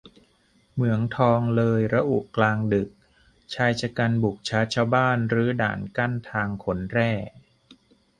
เหมืองทองเลยระอุกลางดึก-ชายฉกรรจ์บุกชาร์จชาวบ้าน-รื้อด่านกั้นทางขนแร่